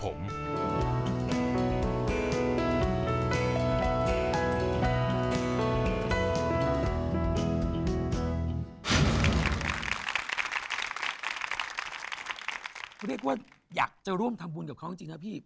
เรียกว่าอยากจะร่วมทำบุญกับเขาจริงนะพี่